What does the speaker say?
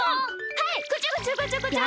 はいこちょこちょこちょこちょ。